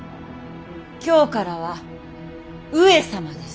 今日からは上様です。